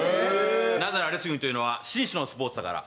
なぜならレスリングというのは紳士のスポーツだから。